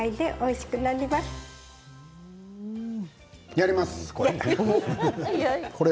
やります、これ。